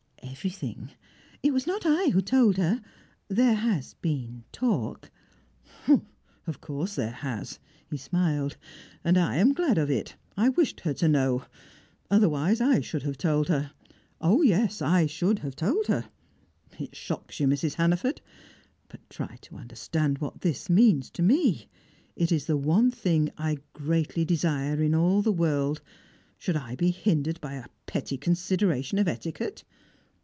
"Everything. It was not I who told her. There has been talk " "Of course there has" he smiled "and I am glad of it. I wished her to know. Otherwise, I should have told her. Yes, I should have told her! It shocks you, Mrs. Hannaford? But try to understand what this means to me. It is the one thing I greatly desire in all the world, shall I be hindered by a petty consideration of etiquette?